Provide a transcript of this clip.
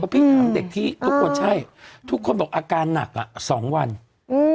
พี่ถามเด็กที่ทุกคนใช่ทุกคนบอกอาการหนักอ่ะสองวันอืม